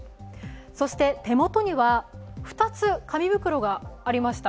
そして手元には２つ、紙袋がありました。